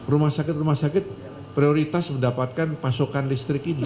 rumah sakit rumah sakit prioritas mendapatkan pasokan listrik ini